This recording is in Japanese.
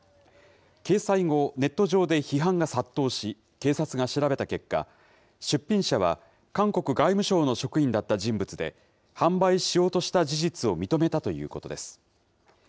掲載後、ネット上で批判が殺到し、警察が調べた結果、出品者は韓国外務省の職員だった人物で、販売しようとした事実を認めたということです。